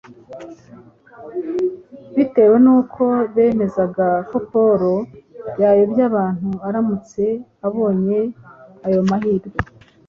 bitewe n’uko bemezaga ko Pawulo yayobya abantu aramutse abonye ayo mahirwe.